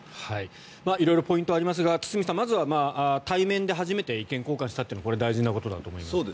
色々ポイントはありますが堤さん、まずは対面で初めて意見交換をしたというのがこれは大事なことだと思います。